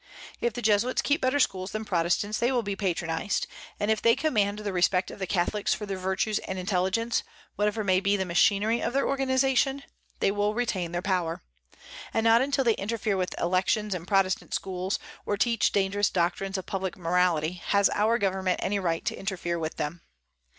If the Jesuits keep better schools than Protestants they will be patronized, and if they command the respect of the Catholics for their virtues and intelligence, whatever may be the machinery of their organization, they will retain their power; and not until they interfere with elections and Protestant schools, or teach dangerous doctrines of public morality, has our Government any right to interfere with them.